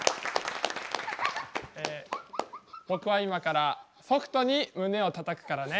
え僕は今からソフトに胸をたたくからね。